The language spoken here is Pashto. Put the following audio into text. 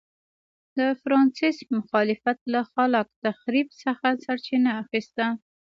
د فرانسیس مخالفت له خلاق تخریب څخه سرچینه اخیسته.